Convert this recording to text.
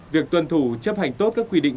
việc tuân thủ chấp hành tốt các quy định